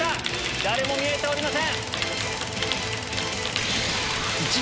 誰も見えておりません。